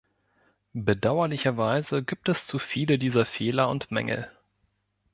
Bedauerlicherweise gibt es zu viele dieser Fehler und Mängel.